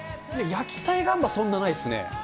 焼きたい願望はそんなないですね。